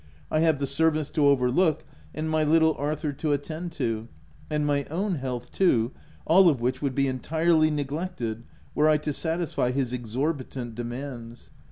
I have the servants to overlook and my little Arthur to attend to,— and my own health too, all of which would be entirely neglected were I to satisfy his exorbitant demands.